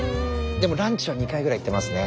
でもランチは２回ぐらい行ってますね。